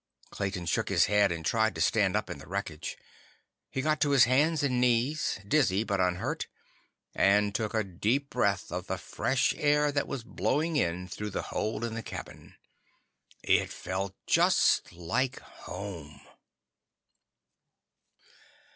Clayton shook his head and tried to stand up in the wreckage. He got to his hands and knees, dizzy but unhurt, and took a deep breath of the fresh air that was blowing in through the hole in the cabin. It felt just like home.